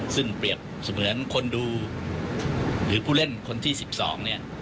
ซึ่งเปรียบเสมือนคนดูหรือผู้เล่นคนที่๑๒เนี่ย